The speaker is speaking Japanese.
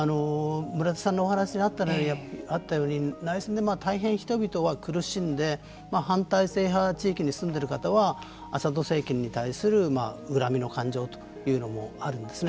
村田さんのお話にあったように内戦で大変人々は苦しんで反体制派地域に住んでいる方はアサド政権に対する恨みの感情というのもあるんですね。